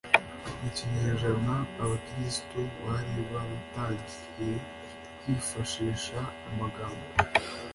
mu kinyejana abakristu bari baratangiye kwifashisha amagambo